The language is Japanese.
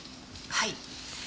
はい。